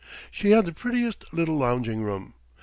She had the prettiest little lounging room.